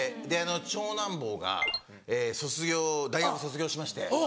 長男坊が大学卒業しまして。